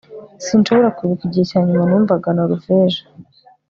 sinshobora kwibuka igihe cyanyuma numvaga noroheje